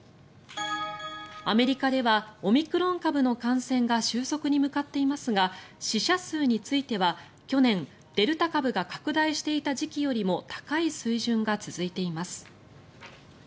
アメリカではオミクロン株の感染が収束に向かっていますが死者数については去年、デルタ株が拡大していた時期よりも高い水準が続いています。